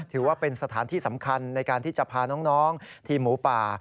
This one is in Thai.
ถือว่าเป็นสถานที่สำคัญในการที่จะพาน้องทีมหมูป่า